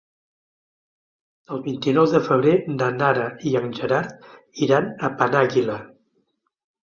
El vint-i-nou de febrer na Nara i en Gerard iran a Penàguila.